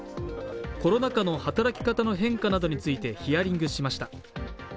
コロナ禍の働き方の変化などについてヒアリングしました。